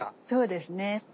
そうですね。